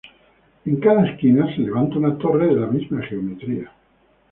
En cada esquina se levanta una torre de la misma geometría.